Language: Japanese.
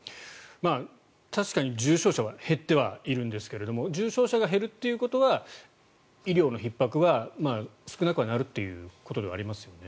確かに重症者は減ってはいるんですけども重症者が減るということは医療のひっ迫は少なくはなるということではありますよね。